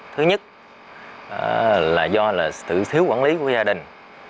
thứ nhất là do sự thiếu quản lý của gia đình